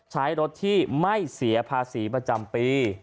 ใช้รถที่ไม่เสียภาษีประจำปี